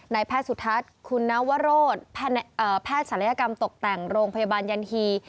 แพทย์สุทัศน์คุณนวโรธแพทย์ศัลยกรรมตกแต่งโรงพยาบาลยันฮี